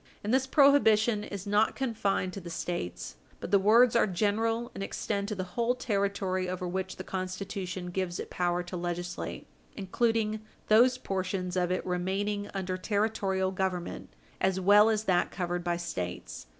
And this prohibition is not confined to the States, but the words are general, and extend to the whole territory over which the Constitution gives it power to legislate, including those portions of it remaining under Territorial Government, as well as that covered by States.